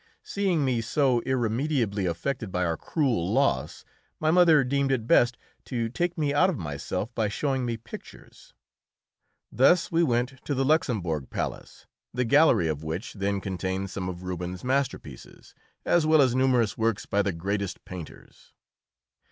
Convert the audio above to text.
Seeing me so irremediably affected by our cruel loss, my mother deemed it best to take me out of myself by showing me pictures. Thus we went to the Luxembourg Palace, the gallery of which then contained some of Rubens's masterpieces, as well as numerous works by the greatest painters.